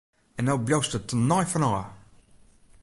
En no bliuwst der tenei fan ôf!